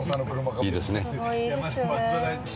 いいですね。